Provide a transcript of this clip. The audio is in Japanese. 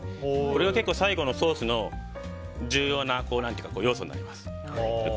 これが最後のソースの重要な要素になります。